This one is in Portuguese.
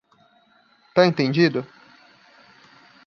Tá entendido?